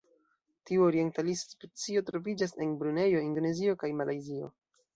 Tiu orientalisa specio troviĝas en Brunejo, Indonezio kaj Malajzio.